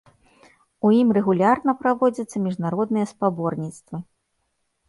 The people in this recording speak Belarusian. У ім рэгулярна праводзяцца міжнародныя спаборніцтвы.